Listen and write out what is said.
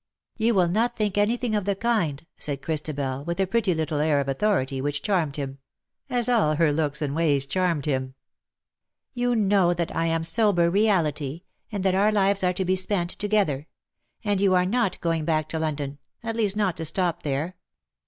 ''^" You will not think anything of the kindj" said Christabel^ with a pretty little air of authority which charmed him — as all her looks and ways charmed him. *' You know that I am sober reality, and that •our lives are to be spent together. And you are not going back to London — at least not to stop there.